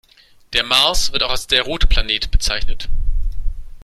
Der Mars wird auch als der „rote Planet“ bezeichnet.